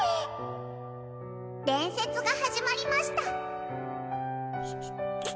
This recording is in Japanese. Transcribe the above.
伝説が始まりました